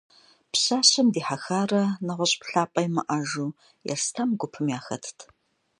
Пщащэм дихьэхарэ нэгъуэщӏ плъапӏэ имыӏэжу, Ерстэм гупым яхэтщ.